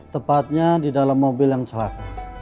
tepatnya di dalam mobil yang celak